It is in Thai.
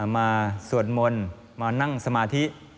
สวดมนต์มานั่งสมาธิ